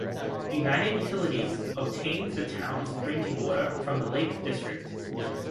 United Utilities obtains the town's drinking water from the Lake District.